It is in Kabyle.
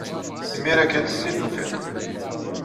Imir-a kan ay ten-id-tufiḍ.